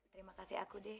terima kasih aku deh